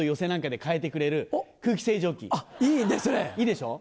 いいでしょう？